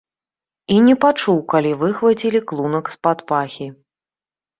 І не пачуў, калі выхвацілі клунак з-пад пахі.